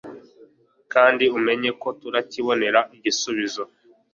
kandi umenyeko turakibonera igisubizo